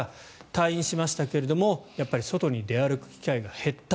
退院しましたが外に出歩く機会が減った。